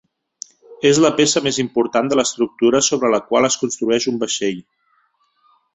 És la peça més important de l'estructura sobre la qual es construeix un vaixell.